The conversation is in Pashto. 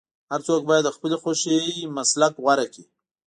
هر څوک باید د خپلې خوښې مسلک غوره کړي.